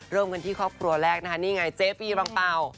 เริ่มกันที่ครอบครัวแรกนะคะนี่ไงเจฟีบังเป่า